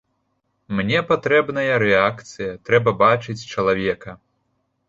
Мне патрэбная рэакцыя, трэба бачыць чалавека.